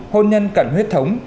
hôn nhân cận huyết thống